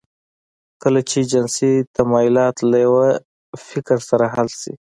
کله چې جنسي تمایلات له یوه فکر سره حل شي